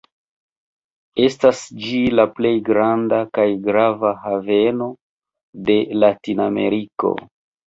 Estas en ĝi la plej granda kaj grava haveno de Latinameriko.